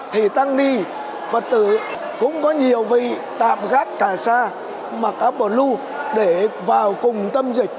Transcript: thì tăng đi phật tử cũng có nhiều vị tạm gác cả xa mặc áp bổ lưu để vào cùng tâm dịch